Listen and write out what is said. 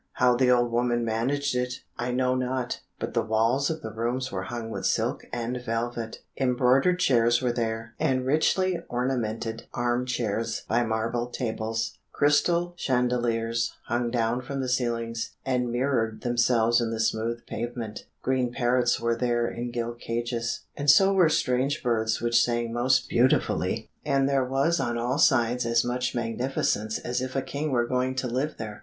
How the old woman managed it, I know not; but the walls of the rooms were hung with silk and velvet, embroidered chairs were there, and richly ornamented arm chairs by marble tables; crystal chandeliers hung down from the ceilings, and mirrored themselves in the smooth pavement; green parrots were there in gilt cages, and so were strange birds which sang most beautifully, and there was on all sides as much magnificence as if a king were going to live there.